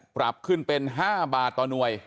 ปรับขึ้นเป็น๕บาทตน